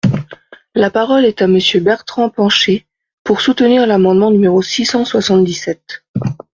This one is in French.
La parole est à Monsieur Bertrand Pancher, pour soutenir l’amendement numéro six cent soixante-dix-sept.